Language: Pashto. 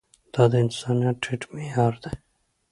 دا د انسانيت ټيټ معيار دی.